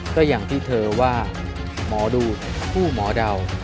ก็อย่างที่เธอว่าหมอดูผู้หมอเดา